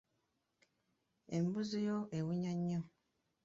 Embuzi eyo ewunya nnyo.